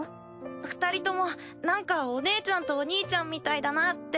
２人ともなんかおねえちゃんとおにいちゃんみたいだなって。